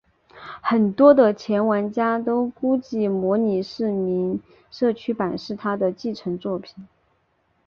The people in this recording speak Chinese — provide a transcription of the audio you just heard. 很多的前玩家都估计模拟市民社区版是它的继承作品。